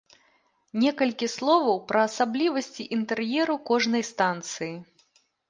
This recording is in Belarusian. Некалькі словаў пра асаблівасці інтэр'еру кожнай станцыі.